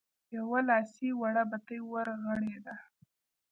يوه لاسي وړه بتۍ ورغړېده.